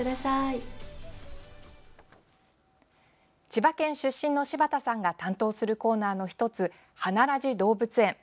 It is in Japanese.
千葉県出身の柴田さんが担当するコーナーの１つ「花ラジ動物園」。